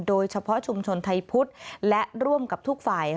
โดยเฉพาะชุมชนไทยพุทธและร่วมกับทุกฝ่าย